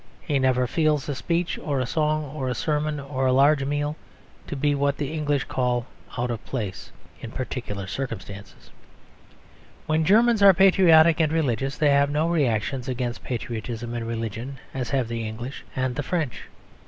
He never feels a speech or a song or a sermon or a large meal to be what the English call "out of place" in particular circumstances. When Germans are patriotic and religious they have no reactions against patriotism and religion as have the English and the French.